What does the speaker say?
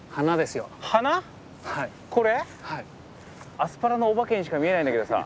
アスパラのお化けにしか見えないんだけどさ